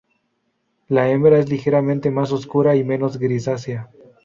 La hembra es ligeramente más oscura y menos grisácea.